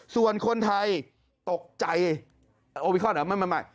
ส่วนคนไทยตกใจโอมิคอนด์เหรอไม่